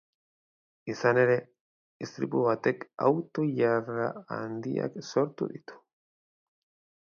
Izan ere, istripu batek auto-ilara handiak sortu ditu.